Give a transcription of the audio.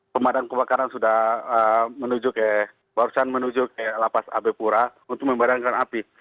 pemadaman kebakaran sudah menuju ke lapas abe pura untuk membadangkan api